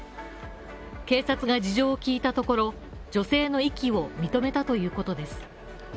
警察が事情を聞いたところ、女性の遺棄を認めたということです。